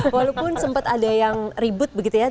walaupun sempat ada yang ribut begitu ya